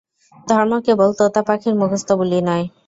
ধর্ম কেবল তোতাপাখীর মুখস্থ বুলি নয়।